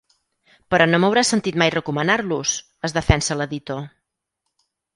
Però no m'hauràs sentit mai recomanar-los! —es defensa l'editor.